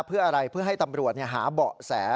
เพื่ออะไรเพื่อให้ตำรวจหาเบาะแส